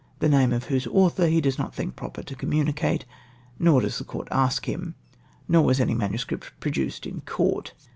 the name of whose author he does not think proper to com municate, nor does the coiu t ask him ! nor was any INISS. produced in Court.